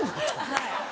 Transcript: はい。